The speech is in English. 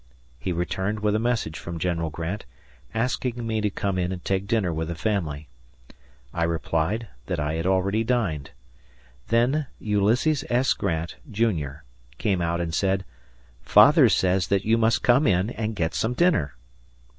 He returned with a message from General Grant, asking me to come in and take dinner with the family. I replied that I had already dined. Then Ulysses S. Grant, Junior, came out and said, "Father says that you must come in and get some dinner."